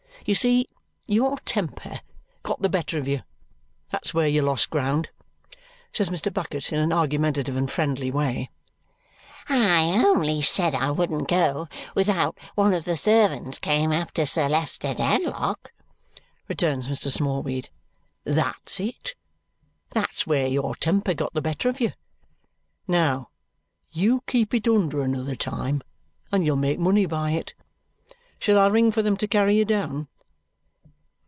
You see your temper got the better of you; that's where you lost ground," says Mr. Bucket in an argumentative and friendly way. "I only said I wouldn't go without one of the servants came up to Sir Leicester Dedlock," returns Mr. Smallweed. "That's it! That's where your temper got the better of you. Now, you keep it under another time and you'll make money by it. Shall I ring for them to carry you down?"